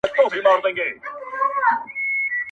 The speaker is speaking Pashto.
زما د تصور لاس گراني ستا پر ځــنگانـه